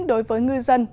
đối với ngư dân